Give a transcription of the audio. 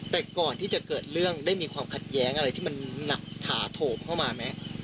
แต่ก่อนที่จะเกิดเรื่องได้มีความขัดแย้งอะไรที่มันถาโถมเข้ามาไหม